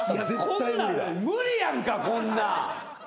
こんなん無理やんかこんなん。